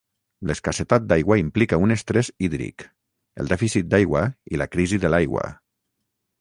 L'escassetat d'aigua implica un estrès hídric, el dèficit d'aigua i la crisi de l'aigua.